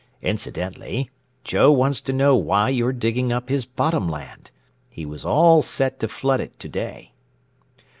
Incidentally, Joe wants to know why you're digging up his bottom land. He was all set to flood it today."